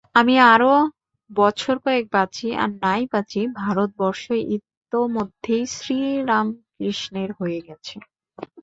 আমি আরও বছর-কয়েক বাঁচি আর নাই বাঁচি, ভারতবর্ষ ইতোমধ্যেই শ্রীরামকৃষ্ণের হয়ে গেছে।